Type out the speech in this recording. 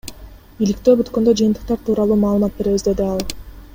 Иликтөө бүткөндө жыйынтыктар тууралуу маалымат беребиз, — деди ал.